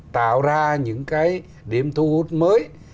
tạo ra những cái điểm thu hút mới